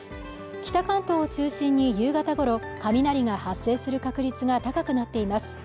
北関東を中心に夕方ごろ雷が発生する確率が高くなっています